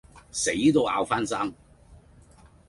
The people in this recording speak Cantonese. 死都拗返生